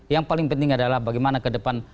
yang paling penting adalah bagaimana ke depan